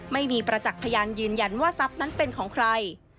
ไม่มีประจักษ์พยานยืนยันว่าทรัพย์นั้นเป็นของใคร